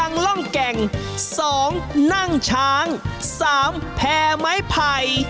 นั่งช้าง๓แพร่ไม้ไผ่